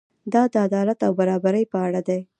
دا د عدالت او برابرۍ په اړه دی.